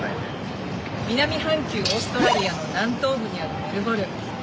南半球オーストラリアの南東部にあるメルボルン。